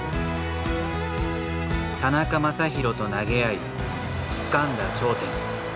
田中将大と投げ合いつかんだ頂点。